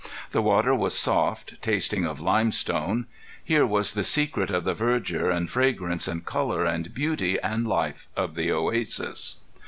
The water was soft, tasting of limestone. Here was the secret of the verdure and fragrance and color and beauty and life of the oasis.